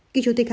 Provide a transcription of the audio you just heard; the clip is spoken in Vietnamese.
kỳ chủ tịch